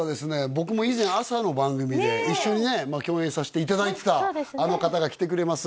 僕も以前朝の番組で一緒にね共演させていただいてたあの方が来てくれます